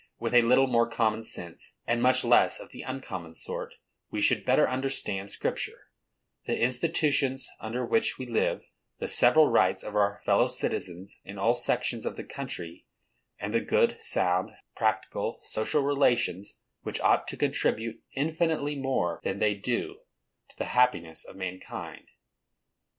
With a little more common sense, and much less of the uncommon sort, we should better understand Scripture, the institutions under which we live, the several rights of our fellow citizens in all sections of the country, and the good, sound, practical, social relations, which ought to contribute infinitely more than they do to the happiness of mankind.